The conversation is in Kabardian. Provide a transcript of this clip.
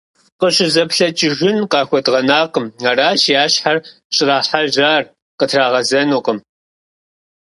КъыщӀызэплъэкӀыжын къахуэдгъэнакъым, аращ я щхьэр щӀрахьэжьар – къытрагъэзэнукъым.